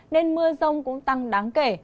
nên mưa rông cũng tăng đáng kể